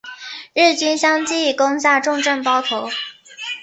日军相继攻下重镇包头。